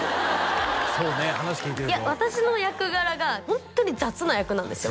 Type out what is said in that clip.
そうね話聞いてるといや私の役柄がホントに雑な役なんですよ